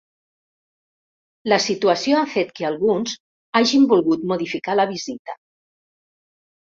La situació ha fet que alguns hagin volgut modificar la visita.